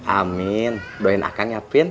amin doain akan ya pin